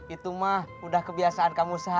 itu mah udah kebiasaan kamu saham